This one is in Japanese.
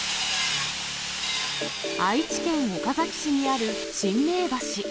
愛知県岡崎市にある神明橋。